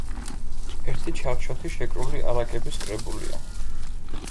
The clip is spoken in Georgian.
ერთი ჩარჩოთი შეკრული არაკების კრებულია.